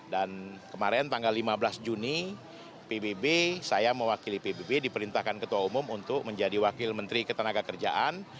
dan kemarin tanggal lima belas juni pbb saya mewakili pbb di perintahkan ketua umum untuk menjadi wakil menteri ketenagakerjaan